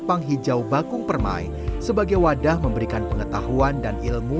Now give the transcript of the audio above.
pang hijau bakung permai sebagai wadah memberikan pengetahuan dan ilmu